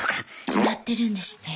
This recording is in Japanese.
決まってるんですね。